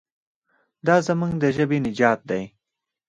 دا زموږ د ژبې نجات دی.